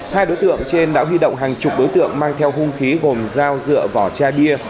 hai đối tượng trên đã huy động hàng chục đối tượng mang theo hung khí gồm dao dựa vỏ cha bia